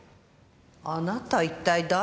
あなた一体誰？